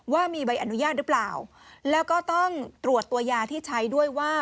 ว่ามีใบอนุญาตหรือเปล่าแล้วก็ต้องตรวจตัวยาที่ใช้ด้วยว่า